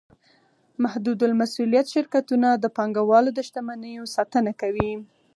محدودالمسوولیت شرکتونه د پانګهوالو د شتمنیو ساتنه کوي.